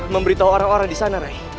memberitahu orang orang di sana rai